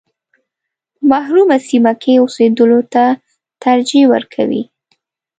په محرومه سیمه کې اوسېدلو ته ترجیح ورکوي.